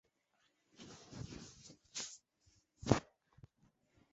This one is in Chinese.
奥尔德伊斯塔博加是位于美国阿拉巴马州塔拉迪加县的一个非建制地区。